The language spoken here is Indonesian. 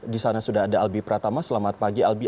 di sana sudah ada albi pratama selamat pagi albi